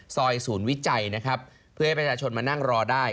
ศูนย์วิจัยนะครับเพื่อให้ประชาชนมานั่งรอได้